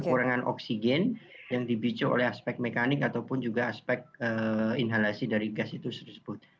kekurangan oksigen yang dibicu oleh aspek mekanik ataupun juga aspek inhalasi dari gas itu tersebut